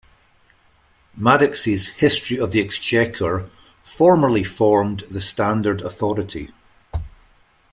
Madox's "History of the Exchequer" formerly formed the standard authority.